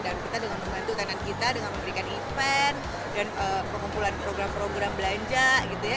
dan kita dengan membantu tenant kita dengan memberikan event dan pengumpulan program program belanja gitu ya